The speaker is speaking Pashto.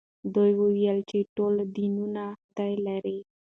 ده وویل چې ټول دینونه خدای لري.